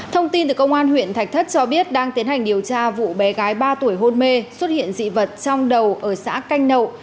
thông tin từ công an huyện thạch thất cho biết đang tiến hành điều tra vụ bé gái ba tuổi hôn mê xuất hiện dị vật trong đầu ở xã canh nậu